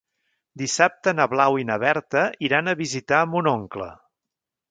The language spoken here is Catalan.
Dissabte na Blau i na Berta iran a visitar mon oncle.